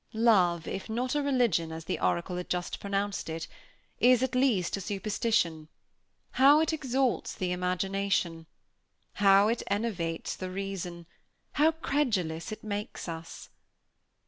Love, if not a religion, as the oracle had just pronounced it, is, at least, a superstition. How it exalts the imagination! How it enervates the reason! How credulous it makes us!